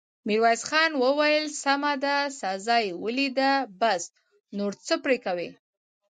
ميرويس خان وويل: سمه ده، سزا يې وليده، بس، نور څه پرې کوې!